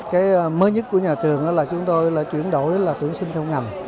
cái mới nhất của nhà trường là chúng tôi là chuyển đổi là tuyển sinh theo ngành